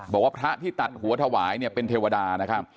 บอกว่าพระที่ตัดหัวถวายเป็นเทวดา